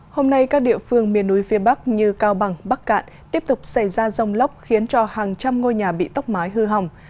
hôm nay các địa phương miền núi phía bắc như cao bằng bắc cạn tiếp tục xảy ra rông lốc khiến cho hàng trăm ngôi nhà bị tốc mái hư hỏng